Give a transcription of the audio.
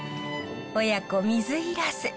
親子水入らず。